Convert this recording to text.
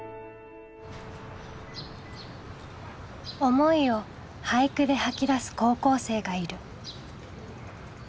思いを俳句で吐き出す高校生がいる。